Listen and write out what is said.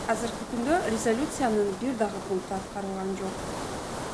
Азыркы күндө резолюциянын бир дагы пункту аткарылган жок.